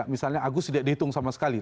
misalnya agus tidak dihitung sama sekali